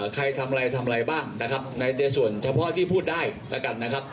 ใครทำอะไรทำอะไรบ้างนะครับ